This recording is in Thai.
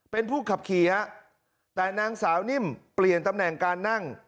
เป็นผู้ขับขี่ฮะแต่นางสาวนิ่มเปลี่ยนตำแหน่งการนั่ง